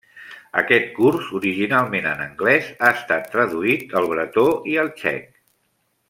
Aquest curs, originalment en anglès, ha estat traduït al bretó i al txec.